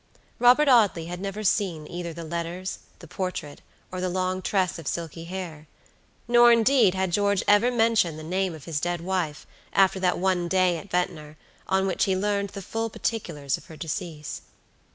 Robert Audley had never seen either the letters, the portrait, or the long tress of silky hair; nor, indeed, had George ever mentioned the name of his dead wife after that one day at Ventnor, on which he learned the full particulars of her decease.